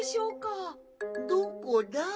どこだ？